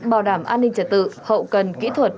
bảo đảm an ninh trật tự hậu cần kỹ thuật